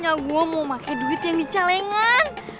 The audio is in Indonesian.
nyak gue mau pake duit yang di calengan